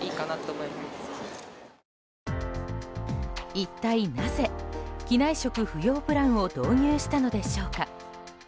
一体なぜ、機内食不要プランを導入したのでしょうか。